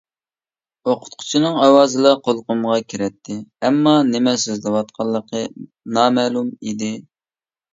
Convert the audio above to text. ئوقۇتقۇچىنىڭ ئاۋازىلا قۇلىقىمغا كىرەتتى، ئەمما نېمە سۆزلەۋاتقانلىقى نامەلۇم ئىدى.